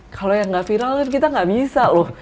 kalau yang enggak viral kita enggak bisa loh